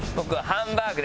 ハンバーグ！